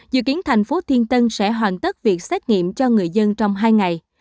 dự kiến thành phố thiên tân sẽ hoàn tất việc xét nghiệm cho người dân trong hai ngày